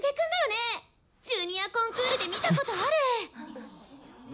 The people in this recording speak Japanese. ジュニアコンクールで見たことある！